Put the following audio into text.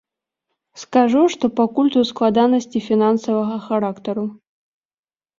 Скажу, што пакуль тут складанасці фінансавага характару.